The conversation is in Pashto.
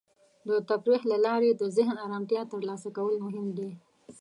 د تفریح له لارې د ذهن ارامتیا ترلاسه کول مهم دی.